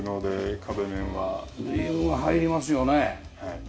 随分入りますよね。